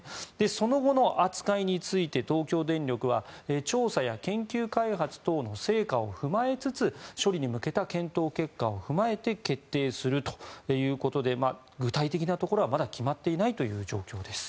その後の扱いについて東京電力は調査や研究開発等の成果を踏まえつつ処理に向けた検討結果を踏まえて決定するということで具体的なところはまだ決まっていないという状況です。